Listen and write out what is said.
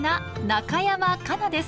中山果奈です。